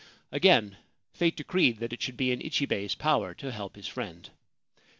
Again fate decreed that it should be in Ichibei's power to help his friend.